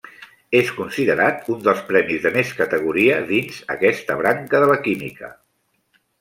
És considerat un dels premis de més categoria dins aquesta branca de la química.